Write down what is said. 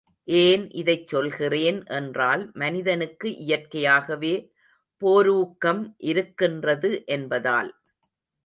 ஏன் இதைச் சொல்கிறேன் என்றால் மனிதனுக்கு இயற்கையாகவே போரூக்கம் இருக்கின்றது என்பதால்.